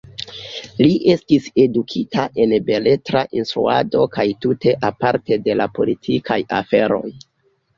Li estis edukita en beletra instruado kaj tute aparte de la politikaj aferoj.